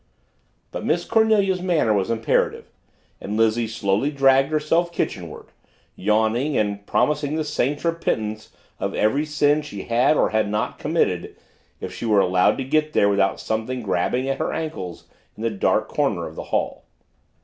But Miss Cornelia's manner was imperative, and Lizzie slowly dragged herself kitchenward, yawning and promising the saints repentance of every sin she had or had not committed if she were allowed to get there without something grabbing at her ankles in the dark corner of the hall.